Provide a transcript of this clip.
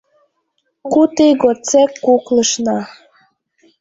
Куд ий годсек куклышна.